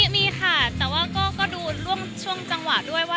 มีค่ะแต่ว่าก็ดูช่วงจังหวะด้วยว่า